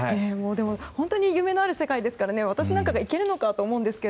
本当に夢のある世界ですから私なんかが行けるのかと。